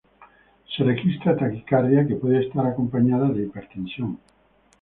Se registra taquicardia que puede estar acompañada de hipertensión.